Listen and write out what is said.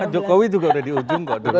jokowi juga udah di ujung kok